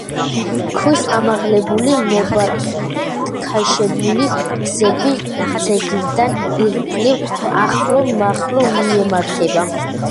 ქვის ამაღლებული, მობათქაშებული გზები ძეგლიდან ირგვლივ, ახლო-მახლო მიემართება.